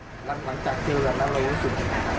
หลังจากเจอกันแล้วเรารู้สึกยังไงครับ